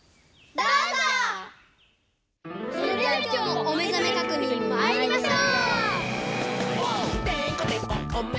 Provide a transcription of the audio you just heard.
それではきょうもおめざめ確認まいりましょう！